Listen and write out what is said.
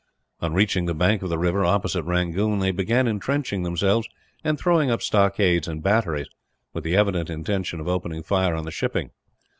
On reaching the bank of the river opposite Rangoon, they began entrenching themselves and throwing up stockades and batteries; with the evident intention of opening fire on the shipping.